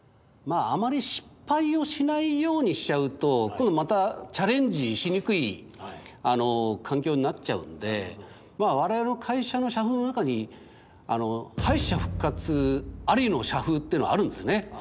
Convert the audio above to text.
あまり失敗をしないようにしちゃうと今度またチャレンジしにくい環境になっちゃうんで我々の会社の社風の中に敗者復活ありの社風っていうのあるんですね。